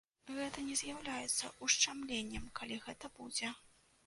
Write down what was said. Гэта не з'яўляецца ушчамленнем, калі гэта будзе.